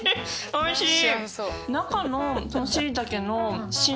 おいしい！